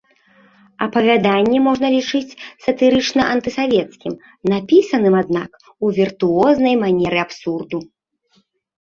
Апавяданне можна лічыць сатырычна-антысавецкім, напісаным, аднак, у віртуознай манеры абсурду.